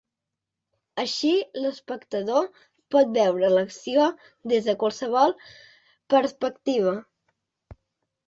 Així, l’espectador pot veure l’acció des de qualsevol perspectiva.